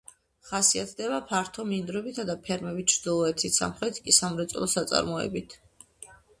ხასიათდება ფართო მინდვრებით და ფერმებით ჩრდილოეთით, სამხრეთით კი სამრეწველო საწარმოებით.